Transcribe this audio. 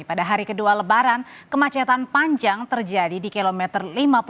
pada hari kedua lebaran kemacetan panjang terjadi di kilometer lima puluh tujuh